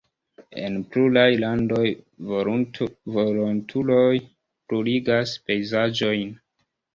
En pluraj landoj volontuloj purigas pejzaĝojn.